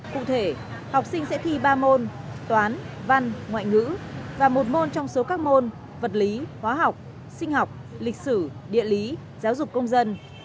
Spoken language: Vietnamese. cụ thể học sinh sẽ thi ba môn toán văn ngoại ngữ và một môn trong số các môn vật lý hóa học sinh học lịch sử địa lý giáo dục công dân